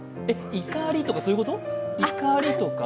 怒りとか、そういうこと？